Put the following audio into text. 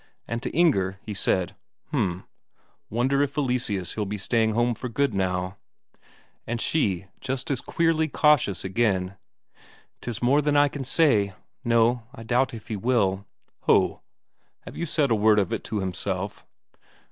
And to Inger he said: "H'm wonder if Eleseus he'll be staying home now for good?" And she just as queerly cautious again: "'Tis more than I can say. No, I doubt if he will." "Ho! Have you said a word of it to himself?"